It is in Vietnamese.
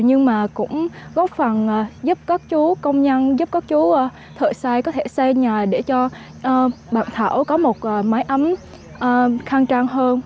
nhưng mà cũng góp phần giúp các chú công nhân giúp các chú thợ xài có thể xây nhà để cho bạn thảo có một máy ấm khăn trang hơn